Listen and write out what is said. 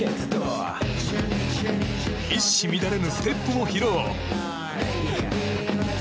一糸乱れぬステップを披露。